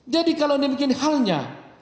jadi kalau anda bikin halnya